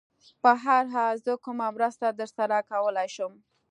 په هر حال، زه کومه مرسته در سره کولای شم؟